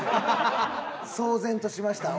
騒然としました。